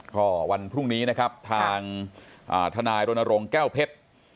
ก็วันพรุ่งนี้นะครับทางทนายรณรงค์แก้วเพชร